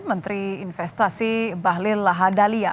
menteri investasi bahlil lahadalia